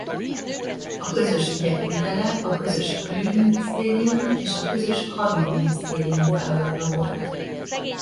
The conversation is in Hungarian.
A közös ügyek vitele a közös külügyminisztérium és a közös hadügyminisztérium feladata volt.